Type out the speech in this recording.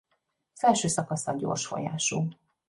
Felső szakasza gyors folyású.